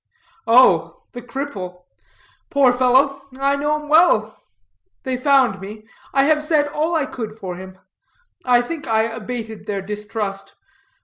"Oh, the cripple. Poor fellow. I know him well. They found me. I have said all I could for him. I think I abated their distrust.